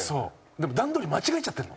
でも段取り間違えちゃってるの。